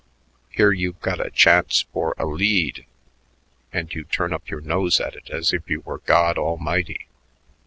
Here you've got a chance for a lead, and you turn up your nose at it as if you were God Almighty.